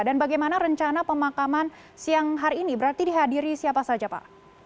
dan bagaimana rencana pemakaman siang hari ini berarti dihadiri siapa saja pak